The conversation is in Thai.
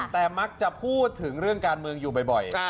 แต่มักจะพูดถึงเรื่องการเมืองอยู่บ่อย